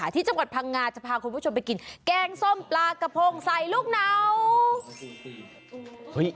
ที่จังหวัดพังงาจะพาคุณผู้ชมไปกินแกงส้มปลากระพงใส่ลูกเหนา